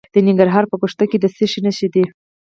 د ننګرهار په ګوشته کې د څه شي نښې دي؟